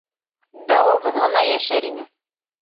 Дауылһыҙ ғына йәшәр ине.